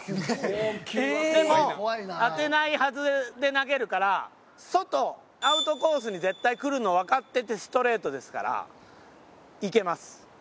でも当てないはずで投げるから外アウトコースに絶対くるのわかっててストレートですからいけます。